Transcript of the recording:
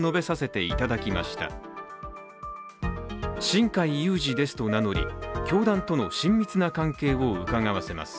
新開裕司ですと名乗り、教団との親密な関係をうかがわせます。